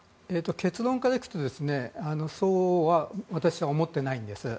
結論からいくとそうは私は思ってないんです。